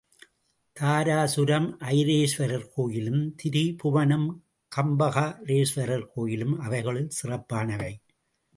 தாராசுரம் ஐராதேஸ்வரர் கோயிலும், திரிபுவனம் கம்பஹரேஸ்வரர் கோயிலும் அவைகளுள் சிறப்பானவை.